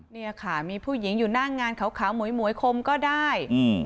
เนี่ยค่ะมีผู้หญิงอยู่หน้างานขาวหมวยคมก็ได้